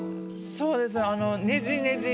そうですねあの。